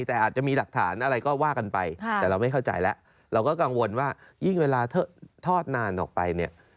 แต่อาจจะมีหลักฐานอะไรก็ว่ากันไปแต่เราไม่เข้าใจแล้วเราก็กังวลว่ายิ่งเวลาทอดนานออกไปเนี่ย